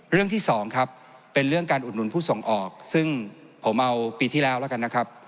ที่สองครับเป็นเรื่องการอุดหนุนผู้ส่งออกซึ่งผมเอาปีที่แล้วแล้วกันนะครับ